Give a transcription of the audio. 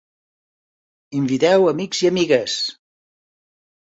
Inviteu amics i amigues!